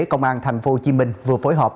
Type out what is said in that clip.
công an tp hcm vừa phối hợp